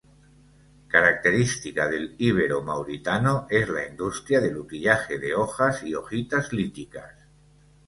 Característica del Ibero-Mauritano es la industria del utillaje de hojas y hojitas líticas.